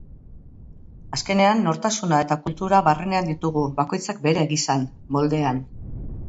Azkenean, nortasuna eta kultura barrenean ditugu, bakoitzak bere gisan, moldean.